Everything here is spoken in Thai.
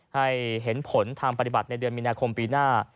ให้เห็นผลทางปฏิบัติในเดือนมีนาคมปีหน้า